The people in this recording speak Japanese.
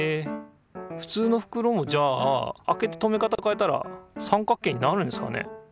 ふつうのふくろもじゃあ開けて留め方変えたら三角形になるんですかね？